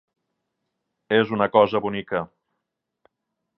És una cosa bonica.